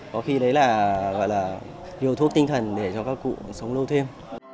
có khi đấy là gọi là điều thuốc tinh thần để cho các cụ sống lâu thêm